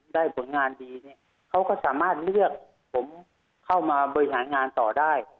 ผลงานดีเนี่ยเขาก็สามารถเลือกผมเข้ามาบริหารงานต่อได้